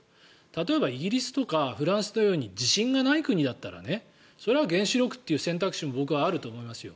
例えばイギリス、フランスのように地震がない国だったらそれは原子力という選択肢も僕はあると思いますよ。